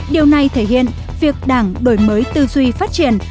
điều này thể hiện việc đảng đổi mới tư duy phát triển